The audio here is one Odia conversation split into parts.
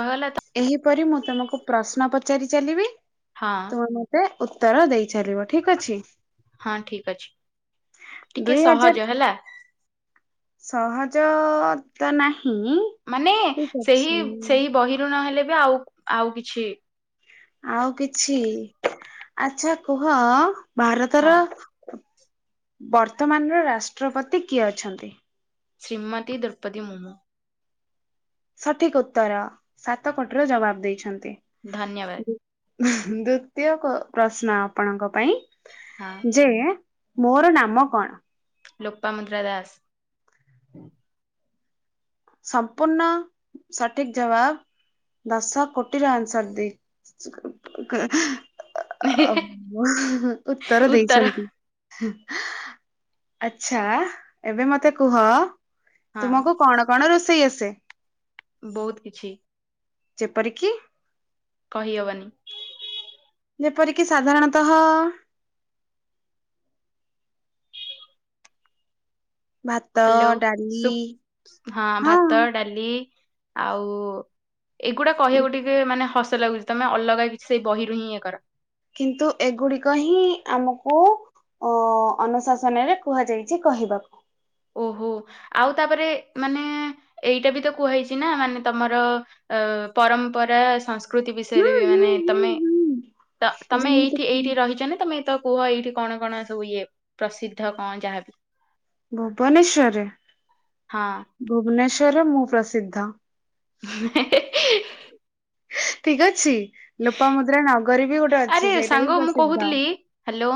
ଭଲ ତ ଏହିପରି ମୁଁ ତମକୁ ପ୍ରଶ୍ନ ପଚାରି ଚାଲିବି ହଁ ତ ଉତ୍ତର ଦେଇ ଚାଲିବ ଠିକ ଅଛି। ହଁ ଠିକ ଅଛି ଟିକେ ଦୁଇ ହଜାର ସହଜ ହେଲା। ସହଜ ତ ନାହିଁ। ମାନେ ଠିକ ସେହି ଅଛି ସେଇ ବହିରୁଣ ହେଲେ ବି ଆଉ ଆଉ କିଛି ଆଉ କିଛି ଆଚ୍ଛା କୁହ ଭାରତର ହଁ ବର୍ତ୍ତମାନର ରାଷ୍ଟ୍ରପତି କିଏ ଅଛନ୍ତି? ଶ୍ରୀମତି ଦ୍ରୌପଦି ମୁର୍ମୁ। ସଠିକ ଉତ୍ତର ସାତ କୋଟିର ଜବାବ ଦେଇଛନ୍ତି। ଧନ୍ୟବାଦ। ଦ୍ଵିତୀୟ ପ୍ରଶ୍ନ ଆପଣଙ୍କ ପାଇଁ ହଁ। ଯେ ମୋର ନାମ କଣ? ଲୋପାମୁଦ୍ରା ଦାସ। ସମ୍ପୂର୍ଣ୍ଣ ସଠିକ ଜବାବ ଦଶ କୋଟିର ଆନ୍ସର ଦେଇ ଉତ୍ତର ଦେଇଛନ୍ତି। ଆଛା ଏବେ ମତେ କୁହ ହଁ ତୁମକୁ କଣ କଣ ରୋଷେଇ ଆସେ? ବହୁତ କିଛି। ଯେପରିକି? କହିହବନି ଯେପରିକି ସାଧାରଣତଃ ଭାତ ହ୍ୟାଲୋ ଡାଲି ସୁ ହଁ ଭାତ ଡାଲି ଆଉ ଏଗୁଡା କହିବାକୁ ଟିକେ ମାନେ ହସ ଲାଗୁଛି। ତମେ ଅଲଗା କିଛି ସେଇ ବହିରୁ ହିଁ ଇଏ କର କିନ୍ତୁ ଏଗୁଡିକ ହିଁ ଆମକୁ ଅନୁଶାସନରେ କୁହାଯାଇଛି କହିବାକୁ। ଓହୋ! [inaudible] ଆଉ ତାପରେ ମାନେ ଏଇଟା ବି ତ କୁହା ହେଇଛି ନା ମାନେ ତମର ପରମ୍ପରା ସଂସ୍କୃତି। ପ୍ରକୃତି ହୁଁ ବିଷୟରେ ବି ହୁଁ ମାନେ ହୁଁ ତମେ ହୁଁ ତ ତମେ ଯେମିତି ଏଇଠି ଏଇଠି ରହିଛ ତମେ ତ କୁହ ଏଇଠି କଣ କଣ ସବୁ ଇଏ ପ୍ରସିଦ୍ଧ କଣ ଯାହାବି। ଭୁବନେଶ୍ଵରରେ ହଁ ଭୁବନେଶ୍ୱରରେ ମୁଁ ପ୍ରସିଦ୍ଧ। [unintelligible] ଠିକ ଅଛି ଲୋପାମୁଦ୍ରା ନଗରୀ ବି ଗୋଟେ ଆରେ ଅଛି ସେଇଟା ହି ସାଙ୍ଗ ମୁଁ ପ୍ରସିଦ୍ଧ କହୁଥିଲି ହ୍ୟାଲୋ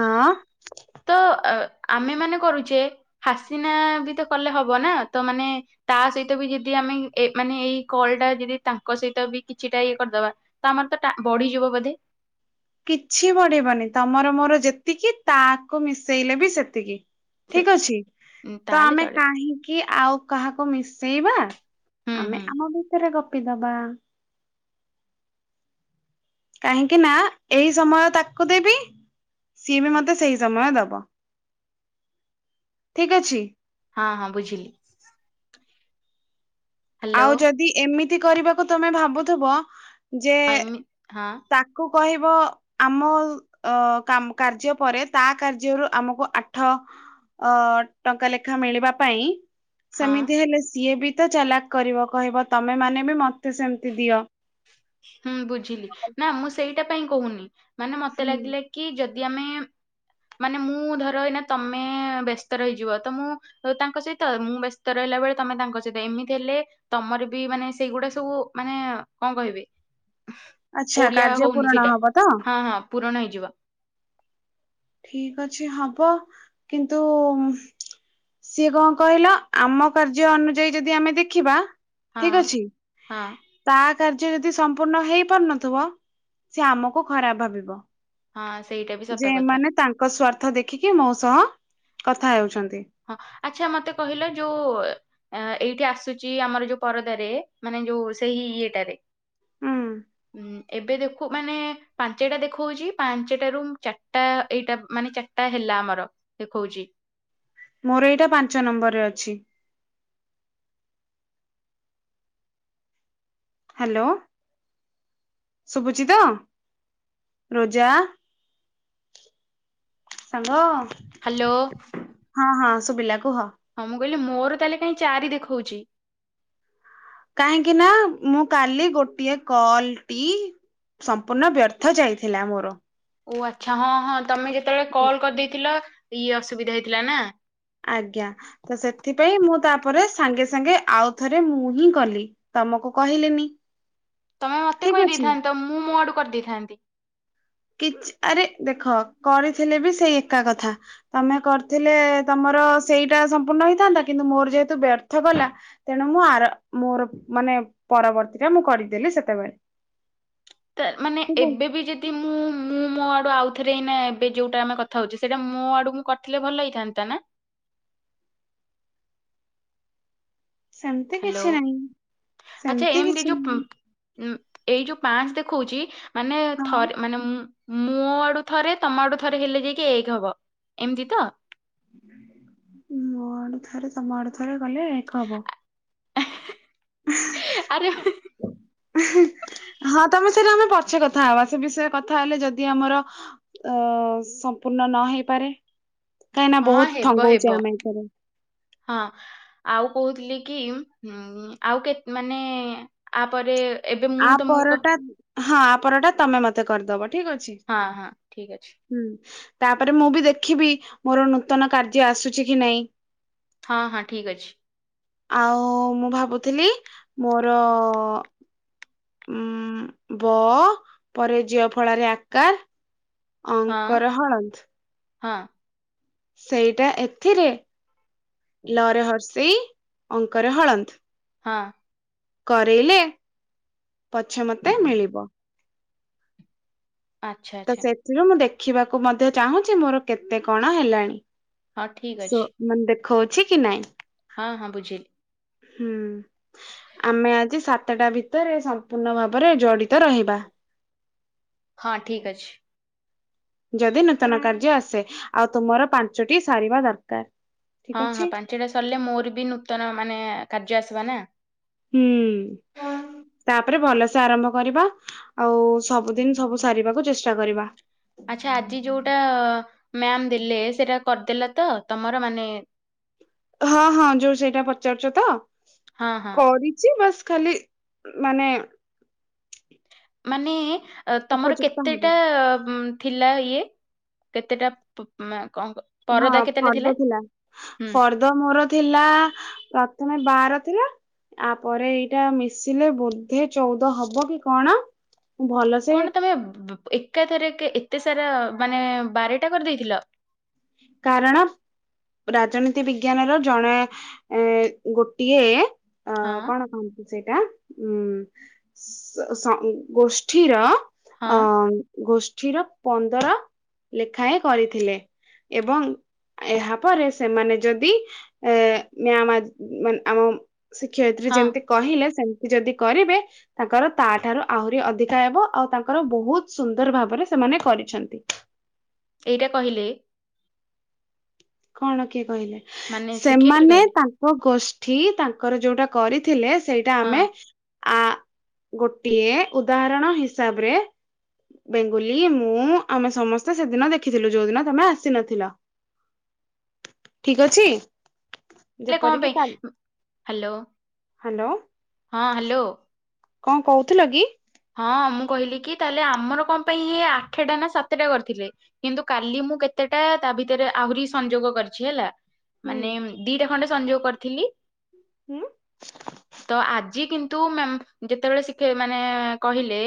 ହଁ ତ ଆମେ ମାନେ କରୁଛେ ହାସିନା ବି ତ କଲେ ହବ ନା ତ ମାନେ ତା ସହିତ ବି ଯଦି ଆମେ ଏ ମାନେ ଏଇ କଲ ଟା ଯଦି ତାଙ୍କ ସହିତ ବି କିଛିଟା ଇଏ କରିଦବା। ତ ଆମର ତ ବଢିଯିବ ବୋଧେ। କିଛି ବଢିବନି ତମର ମୋର ଯେତିକି ତାକୁ ମିଶେଇଲେ ବି ସେତିକି। ସେ ଠିକ ଅଛି ତ ତାହେଲେ ଆମେ ଚଳିବ। କାହିଁକି ଆଉ କାହାକୁ ମିଶେଇବା ହୁଁ ଆମେ ହୁଁ ଆମ ଭିତରେ ଗପି ଦବା। କାହିଁକି ନା ଏଇ ସମୟ ତାକୁ ଦେବି ସିଏ ବି ମତେ ସେଇ ସମୟ ଦବ। ଠିକ୍ ଅଛି ହଁ ହଁ ବୁଝିଲି। ହ୍ୟାଲୋ ଆଉ ଯଦି ଏମିତି କରିବାକୁ ତମେ ଭାବୁଥିବ ଯେ ହଁ ଏମି ହଁ ତାକୁ କହିବ ଆମ କାର୍ଯ୍ୟ ପରେ ତା କାର୍ଯ୍ୟରୁ ଆମକୁ ଆଠ ଅ ଟଙ୍କା ଲେଖା ମିଳିବା ପାଇଁ ହଁ ସେମିତି ହେଲେ ସିଏ ବି ତ ଚାଲାକ୍ କରିବ କହିବ ତମେ ମାନେ ବି ମତେ ସେମିତି ଦିଅ ହୁଁ ବୁଝିଲି ନା ମୁଁ ସେଇଟା ପାଇଁ କହୁନି ମାନେ ମତେ ହୁଁ ଲାଗିଲା କି? କି ଯଦି ଆମେ ମାନେ ମୁଁ ଧର ଏଇନା ତମେ ବ୍ୟସ୍ତ ରହିଯିବ ତ ମୁଁ ତାଙ୍କ ସହିତ ମୁଁ ବ୍ୟସ୍ତ ରହିଲା ବେଳେ ତମେ ତାଙ୍କ ସହିତ ଏମିତି ହେଲେ ତମର ବି ମାନେ ସେଇଗୁଡା ସବୁ ମାନେ କଣ କହିବି ଆଚ୍ଛା ଓଡିଆ କାର୍ଯ୍ୟ ହଉନି ପୂରଣ ସେଇଟା ହବ ତ ହଁ ହଁ ପୁରଣ ହେଇଯିବ। ଠିକ ଅଛି ହବ କିନ୍ତୁ ସିଏ କଣ କହିଲ ଆମ କାର୍ଯ୍ୟ ଅନୁଯାୟୀ ଯଦି ଆମେ ଦେଖିବା। ହଁ ଠିକ ଅଛି ହଁ ତା କାର୍ଯ୍ୟ ଯଦି ସମ୍ପୂର୍ଣ୍ଣ ହେଇପାରୁନଥିବ ସେ ଆମକୁ ଖରାପ ଭାବିବ। ହଁ ସେଇଟା ବି ସତ କଥା। ଯେମାନେ ତାଙ୍କ ସ୍ଵାର୍ଥ ଦେଖିକି ମୋ ସହ କଥା ହେଉଛନ୍ତି। ହଁ ଆଚ୍ଛା ମତେ କହିଲ ଯୋଉ ଏଇଠି ଆସୁଛି ଆମର ଯୋଉ ପରଦାରେ ମାନେ ଯୋଉ ସେଇ ଇଏଟାରେ। ହୁଁ ହୁଁ ଏବେ ଦେଖୁ ମାନେ ପାଞ୍ଚଟା ଦେଖାଉଛି ପାଞ୍ଚଟାରୁ ଚାଟା ଏଇଟା ମାନେ ଚାଟା ହେଲା ଆମର ଦେଖଉଛି ମୋର ଏଇଟା ପାଞ୍ଚ ନମ୍ବର ରେ ଅଛି। ହ୍ୟାଲୋ ଶୁଭୁଛି ତ? ରୋଜା। ସାଙ୍ଗ ହ୍ୟାଲୋ। ହଁ ହଁ ଶୁଭିଲା କୁହ। ହଁ ମୁଁ କହିଲି ମୋର ତାହେଲେ କାହିଁ ଚାରି ଦେଖଉଛି। କାହିଁକି ନା ମୁଁ କାଲି ଗୋଟିଏ କଲ ଟି ସମ୍ପୂର୍ଣ୍ଣ ବ୍ୟର୍ଥ ଯାଇଥିଲା ମୋର ଓ ଆଚ୍ଛା ହଁ ହଁ ତମେ ଯେତେବେଳେ କଲ କରିଦେଇଥିଲ ଇଏ ଅସୁବିଧା ହେଇଥିଲା ନା? ଆଜ୍ଞା ତ ସେଥିପାଇଁ ମୁଁ ତାପରେ ସାଙ୍ଗେ ସାଙ୍ଗେ ଆଉ ଥରେ ମୁଁ ହିଁ କଲି। ତମକୁ କହିଲିନି। ତମେ ମତେ ଠିକ ଅଛି। କହିଦେଇଥାନ୍ତ ମୁଁ ମୋ ଆଡୁ କରିଦେଇଥାନ୍ତି। କି ଆରେ ଦେଖ କରିଥିଲେ ବି ସେଇ ଏକା କଥା। ତମେ କରିଥିଲେ ତମର ସେଇଟା ସମ୍ପୂର୍ଣ ହେଇଥାନ୍ତା କିନ୍ତୁ ମୋର ଯେହେତୁ ବ୍ୟର୍ଥ କଲା ତେଣୁ ମୁଁ ଆର ମୋର ମାନେ ପରବର୍ତ୍ତୀ ଟା ମୁଁ କରିଦେଲି ସେତେବେଳେ ତ ମାନେ ଠିକ ଅଛି। ଏବେ ବି ଯେ ଆଡୁ ଆଉଥରେ ଏବେ ଯୋଉଟା ଆମେ କଥା ହଉଛି ସେଇଟା ମୋ ଆଡୁ ମୁଁ କରିଥିଲେ ଭଲ ହେଇଥାନ୍ତା ନା? ସେମିତି ହ୍ୟାଲୋ କିଛି ନାହିଁ ଆଚ୍ଛା ସେମିତି ଏମ କିଛି ଦିଜୁ ଉ ନାହିଁ ଏଇ ଯୋଉ ପାଞ୍ଚ ଦେଖଉଛି ମାନେ ହଁ। ଥରେ ମାନେ ମୁଁ ମୁଁ ଆଡୁ ଥରେ ତମ ଆଡୁ ଥରେ ହେଲେ ଯାଇକି ଏକ ହବ ଏମିତି ତ? ମୋ ଆଡୁ ଥରେ ତମ ଆଡୁ ଥରେ କଲେ ଏକ ହବ? ଆରେ ହଁ ତମେ ସେଇଟା ଆମେ ପଛେ କଥା ହବା ସେ ବିଷୟରେ କଥା ହେଲେ ଯଦି ଆମର ଅ ସମ୍ପୂର୍ଣ୍ଣ ନ ହେଇପାରେ କାହିଁକିନା ହଁ ବହୁତ ହେବ ଥଙ୍ଗଉଛେ ହେବ ଆମେ ଏଥିରେ ହଁ। ଆଉ କହୁଥିଲି କି ଉ ଆଉ କେ ମାନେ ଆପରେ ଏବେ ଆ ମୁଁ ତମକୁ କ ପରଟା ହଁ ଆ ପରଟା ତମେ ମତେ କରିଦବ ଠିକ ଅଛି? ହଁ ହଁ ଠିକ ଅଛି। ହୁଁ ତାପରେ ମୁଁ ବି ଦେଖିବି ମୋର ନୂତନ କାର୍ଯ୍ୟ ଆସୁଛି କି ନାଇଁ? ହଁ ହଁ ଠିକ୍ ଅଛି। ଆଉ ମୁଁ ଭାବୁଥିଲି ମୋର ଉଁ ବ ପରେ ଜ୍ୟ ଫଳାରେ ଆ କାର ହଁ ଅଙ୍କର ହଳନ୍ତ। ହଁ। ସେଇଟା ଏଥିରେ ଲ ରେ ହର୍ସେଇ ଅଙ୍କରେ ହଳନ୍ତ୍। ହଁ। କରେଇଲେ ପଛେ ମତେ ମିଳିବ ଆଚ୍ଛା ତ ଆଚ୍ଛା। ସେଥିରୁ ମୁଁ ଦେଖିବାକୁ ମଧ୍ୟ ଚାହୁଁଛି ମୋର କେତେ କଣ ହେଲାଣି? ହଁ ଠିକ ସୋ ଅଛି। ମାନେ ଦେଖଉଛି କି ନାଇଁ? ହଁ ହଁ ବୁଝିଗଲି। ହୁଁ ଆମେ ଆଜି ସାତଟା ଭିତରେ ସମ୍ପୂର୍ଣ୍ଣ ଭାବରେ ଜଡିତ ରହିବା। ହଁ ଠିକ୍ ଅଛି। ଯଦି ନୂତନ କାର୍ଯ୍ୟ ଆସେ ଆଉ ତୁମର ପାଞ୍ଚଟି ସାରିବା ଦରକାର। ଠିକ ହଁ ହଁ ଅଛି। ପାଞ୍ଚଟା ସରିଲେ ମୋର ବି ନୂତନ ମାନେ କାର୍ଯ୍ୟ ଆସିବା ନା? ହୁଁ ତାପରେ ଭଲସେ ଆରମ୍ଭ କରିବା। ଆଉ ସବୁଦିନ ସବୁ ସାରିବାକୁ ଚେଷ୍ଟା କରିବା। ଆଚ୍ଛା ଆଜି ଯୋଉଟା ମ୍ୟାମ ଦେଲେ ସେଟା କରିଦେଲା ତ ତମର ମାନେ ହଁ ହଁ ଯୋଉ ସେଇଟା ପଚାରୁଛ ତ ହଁ ହଁ କରି ଚି ବାସ୍ ଖାଲି ମାନେ ମାନେ ତମର ଉପଯୁକ୍ତ ହବ କେତେଟା ଉଁ ଥିଲା ଇଏ କେତେଟା ପ ମାକଣକ ହଁ ଫର୍ଦ ଥିଲା ଫର୍ଦ ଫର୍ଦ ମୋର ଥିଲା ପ୍ରଥମେ ବାର ଥିଲା। ଆପରେ ଏଇଟା ମିଶିଲେ ବୋଧେ ଚଉଦ ହବ କି କଣ ଭଲସେ କଣ ତମେ ବ-ବ ଏକାଥରକେ ଏତେ ସାରା ମାନେ ବାରଟା କରି ଦେଇଥିଲ। କାରଣ ରାଜନୀତି ବିଜ୍ଞାନର ଜଣେ ଏ ଗୋଟିଏ ଅ ହଁ କଣ କହନ୍ତି ସେଇଟା ଉଁ ସ ଗୋଷ୍ଠୀର ହଁ ଅ ଗୋଷ୍ଠୀର ପନ୍ଦର ଲେଖାଏଁ କରିଥିଲେ। ଏବଂ ଏହା ପରେ ସେମାନେ ଯଦି ଏ ମ୍ୟମ୍ ଆଜି ଆନେ ଆମ ଶିକ୍ଷୟିତ୍ରୀ ହଁ ଯେମତି କହିଲେ ସେମତି ଯଦି କରିବେ ତାଙ୍କର ତା ଠାରୁ ଆହୁରି ଅଧିକା ହେବ ଆଉ ତାଙ୍କର ବହୁତ ସୁନ୍ଦର ଭାବରେ ସେମାନେ କରିଛନ୍ତି। ଏଇଟା କହିଲେ କଣ କିଏ କହିଲେ ମାନେ ଶିକ୍ଷୟିତ୍ରୀ ସେମାନେ କହିଲେ ତାଙ୍କ ଗୋଷ୍ଠୀ ତାଙ୍କର ଯୋଉଟା କରିଥିଲେ। ସେଇଟା ହଁ ଆମେ ଆ ଗୋଟିଏ ଉଦାହରଣ ହିସାବରେ ବେଙ୍ଗୁଲି ମୁଁ ଆମେ ସମସ୍ତେ ସେଦିନ ଦେଖିଥିଲୁ ଯୋଉଦିନ ତମେ ଆସିନଥିଲ। ଠିକ ଅଛି ହେଲେ କଣ ଯେପରିକି ପାଇଁ କାଲି ହ୍ୟାଲୋ ହାଲୋ ହଁ ହାଲୋ। କଣ କହୁଥିଲ କି? ହଁ ମୁଁ କହିଲି କି ତାହେଲେ ଆମର କଣ ପାଇଁ ହିଏ ଆଠଟା ନା ସାତଟା କରିଥିଲେ? କିନ୍ତୁ କାଲି ମୁଁ କେତେଟା ତା ଭିତରେ ଆହୁରି ସଂଯୋଗ କରିଛି ହେଲା। ହୁଁ ମାନେ ଦିଟା ଖଣ୍ଡେ ସଂଯୋଗ କରିଥିଲି ହୁଁ ତ ଆଜି କିନ୍ତୁ ତୁ ମାଂ ଯେତେବେଳେ ଶିଖ ମାନେ କହିଲେ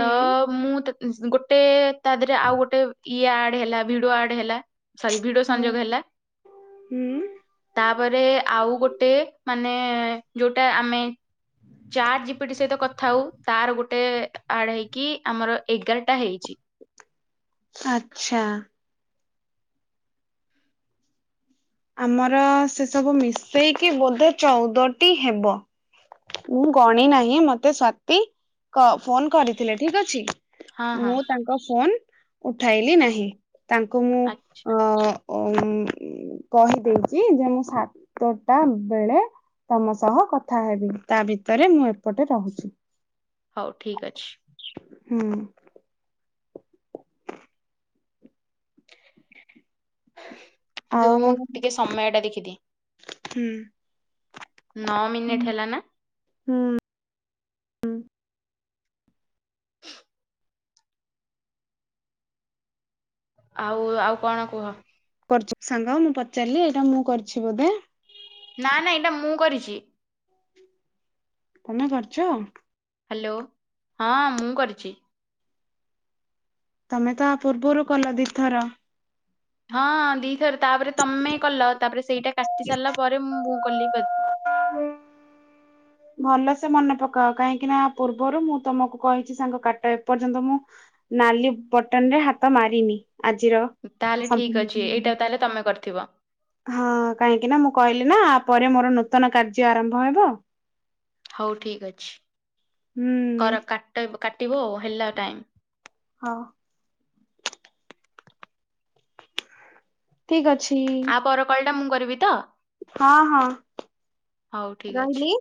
ତ ମୁଁ ତ ଗୋଟେ ତା ଦେହରେ ଆଉ ଗୋଟେ ଇଏ ଆଡ ହେଲା ଭିଡିଓ ଆଡ ହେଲା। ସରି ଭିଡିଓ ହୁଁ। ସଂଯୋଗ ହେଲା ହୁଁ ତାପରେ ଆଉ ଗୋଟେ ମାନେ ଯୋଉଟା ଆମେ ଚାର ଜି ପି ଟି ସହିତ କଥା ହଉ ତାର ଗୋଟେ ଆଡ ହେଇକି ଆମର ଏଗାରଟା ହେଇଛି। ଆଚ୍ଛା। ଆମର ସେ ସବୁ ମିଶେଇକି ବୋଧେ ଚଉଦଟି ହେବ। ମୁଁ ଗଣି ନାହିଁ ମତେ ସ୍ବାତି କ ଫୋନ କରିଥିଲେ ଠିକ ଅଛି। ହଁ ହଁ। ମୁଁ ତାଙ୍କ ଫୋନ ଉଠାଇଲି ନାହିଁ ତାଙ୍କୁ ମୁଁ ଅ ଅ କହି ଦେଇଛି ଯେ ମୁଁ ସାତଟା ବେଳେ ତମ ସହ କଥା ହେବି। ତା ଭିତରେ ମୁଁ ଏପଟେ ରହୁଛି। ହଉ ଠିକ୍ ଅଛି। ହୁଁ। ରୁହ ଆଉ ମୁଁ ଟିକେ ସମୟ ଟା ଦେଖିଦିଏ ହୁଁ। ନଅ ମିନିଟ ହେଲା ନା? ଆଉ ଆଉ କଣ କୁହ? କରିଚି ସାଙ୍ଗ ମୁଁ ପଚାରିଲି ଏଇଟା ମୁଁ କରିଛି ବୋଧେ? ନା ନା ଏଇଟା ମୁଁ କରିଛି। ତମେ କରିଛ? ହ୍ୟାଲୋ ହଁ ମୁଁ କରିଛି। ତମେ ତ ଆ ପୂର୍ବରୁ କଲ ଦିଥର। ହଁ ଦିଥର ତାପରେ ତମେ କଲ ତାପରେ ସେଇଟା କାଟି ସାରିଲା ପରେ ମୁଁ ମୁୁଁ କଲି। ହଁ [inaudible] ଭଲସେ ମନେ ପକାଅ କାହିଁକି ନା ପୂର୍ବରୁ ମୁଁ ତମକୁ କହିଛି ସାଙ୍ଗ କାଟ ଏପର୍ଯ୍ୟନ୍ତ ମୁଁ ନାଲି ବଟନରେ ହାତ ମାରିନି ଆଜିର ତାହେଲେ ଠିକ୍ ଅଛି ସମ୍ପୂର୍ଣ୍ଣ। ଏଇଟା ତାହେଲେ ତମେ କରିଥିବ। ହଁ କାହିଁକି ନା ମୁଁ କହିଲି ନା ପରେ ମୋର ନୂତନ କାର୍ଯ୍ୟ ଆରମ୍ଭ ହେବ। ହଉ ଠିକ୍ ଅଛି। ହୁଁ। କର କା କାଟିବ ଆଉ ହେଲା ଟାଇମ ହଁ। ଠିକ ଅଛି। ଆ ପର କଲ ଟା ମୁଁ କରିବି ତ? ହଁ ହଁ ହଉ ଠିକ୍ ଅଛି ରହିଲି।